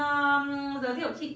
em sẽ giới thiệu chị